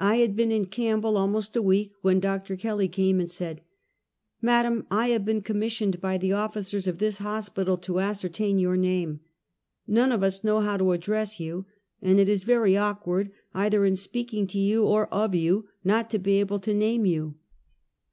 I had been in Campbell almost a week, when Dr. Kelly came and said: " Madam, I have been commissioned by the officers of this hospital to ascertain your name. ISTone of us know how to address you, and it is very awkward either in speaking to you, or of you, not to be able to name you."